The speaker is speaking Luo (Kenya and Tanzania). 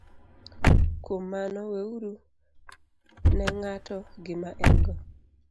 Kuom mano, weuru ne ng'ato gima en - go,